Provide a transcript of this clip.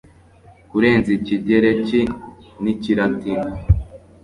Kurenza Ikigereki nIkilatini